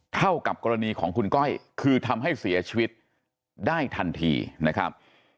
เท่ากับกรณีของคุณก้อยคือทำให้เสียชีวิตได้ทันทีนะครับ